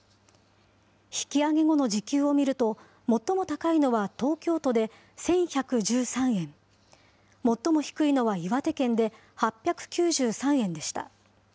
引き上げ後の時給を見ると、最も高いのは東京都で１１１３円、最も低いのは岩手県で８９３円でした。